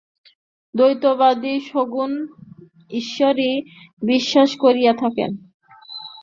দ্বৈতবাদী সগুণ ঈশ্বরই বিশ্বাস করিয়া থাকেন।